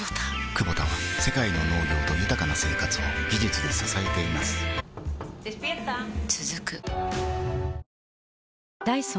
クボタは世界の農業と豊かな生活を技術で支えています起きて。